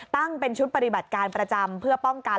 ตั้งเป็นชุดปฏิบัติการประจำเพื่อป้องกัน